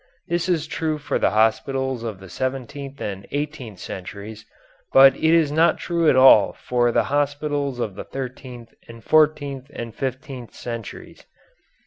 This is true for the hospitals of the seventeenth and eighteenth centuries, but it is not true at all for the hospitals of the thirteenth and fourteenth and fifteenth centuries.